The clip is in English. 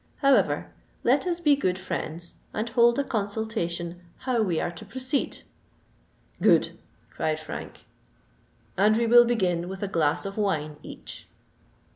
However, let us be good friends, and hold a consultation how we are to proceed." "Good!" cried Frank. "And we will begin with a glass of wine each.